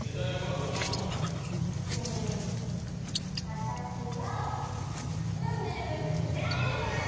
私は運命の人に出会える世界！